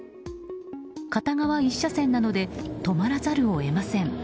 片側１車線なので止まらざるを得ません。